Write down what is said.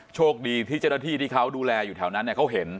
โชคดีที่เจ้าหน้าที่ที่เขาดูแลอยู่แถวนั้นเขาเห็น